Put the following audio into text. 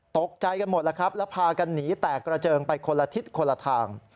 ตกใจกันหมดและพากันหนีแตกระเจิงไปคนละทิศคนละทาง